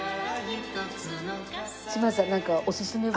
島津さんなんかおすすめは？